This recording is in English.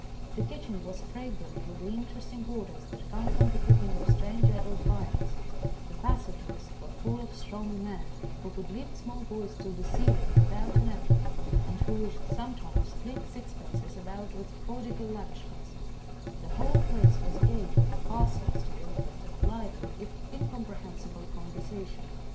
The kitchen was fragrant with the interesting odours that come from the cook ing of strange adult viands ; the passages were full of strong men who could lift small boys to the ceiling without an effort, and who would sometimes fling sixpences about with prodigal lavishness ; the whole place was gay with parcels to be opened, and lively, if incomprehensible, conversation.